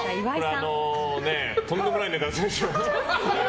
とんでもない値段するでしょ。